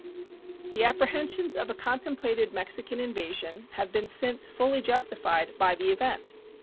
The apprehensions of a contemplated Mexican invasion have been since fully justified by the event.